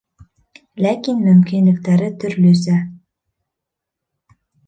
Ләкин мөмкинлектәре төрлөсә.